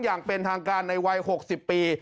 อย่างเป็นทางการในวัย๖๐ปี